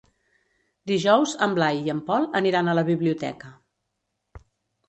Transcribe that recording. Dijous en Blai i en Pol aniran a la biblioteca.